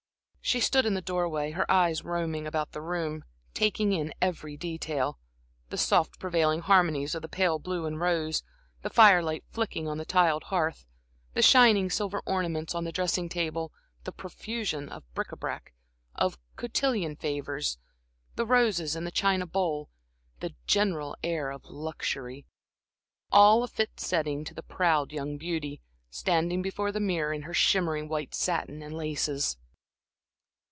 She stood in the door way, her eyes roaming about the room, taking in every detail the soft prevailing harmonies of pale blue and rose, the firelight flickering on the tiled hearth, the shining silver ornaments on the dressing table, the profusion of bric à brac, of cotillion favors, the roses in the china bowl, the general air of luxury all a fit setting to the proud young beauty, standing before the mirror in her shimmering white satin and laces.